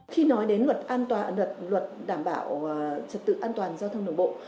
khi nói đến luật đảm bảo trật tự an toàn giao thông đường bộ